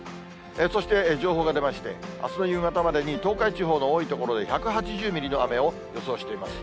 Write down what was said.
そして情報が出まして、あすの夕方までに、東海地方の多い所で、１８０ミリの雨を予想しています。